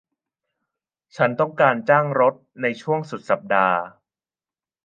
ฉันต้องการจ้างรถในช่วงสุดสัปดาห์